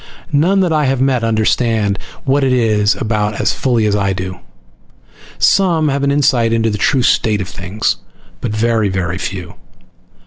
None that I have met understand what it is about as fully as I do. Some have an insight into the true state of things, but very very few.